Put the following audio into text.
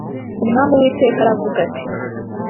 Umwami Uwiteka aravuga ati